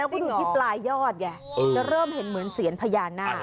ที่ลายยอดแกจะเริ่มเห็นเหมือนเสียนพญานาค